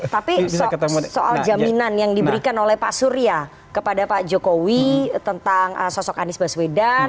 tapi soal jaminan yang diberikan oleh pak surya kepada pak jokowi tentang sosok anies baswedan